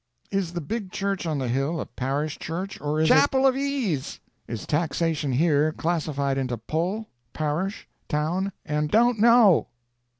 "Is the big church on the hill a parish church, or is it " "Chapel of ease!" "Is taxation here classified into poll, parish, town, and " "Don't know!"